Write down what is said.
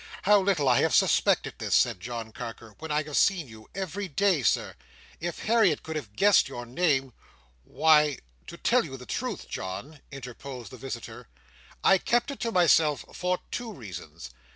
"How little I have suspected this," said John Carker, "when I have seen you every day, Sir! If Harriet could have guessed your name—" "Why, to tell you the truth, John," interposed the visitor, "I kept it to myself for two reasons.